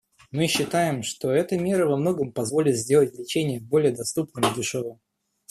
Мы считаем, что эта мера во многом позволит сделать лечение более доступным и дешевым.